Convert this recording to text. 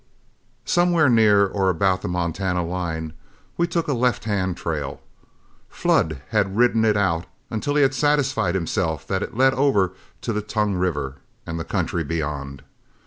Somewhere near or about the Montana line, we took a left hand trail. Flood had ridden it out until he had satisfied himself that it led over to the Tongue River and the country beyond.